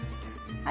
はい。